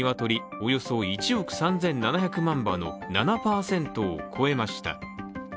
およそ１億３７００万羽の７％を超えました。